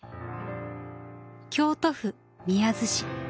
京都府宮津市。